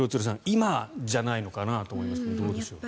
今じゃないのかなと思いますがどうでしょう。